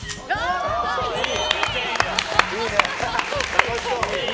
楽しそう！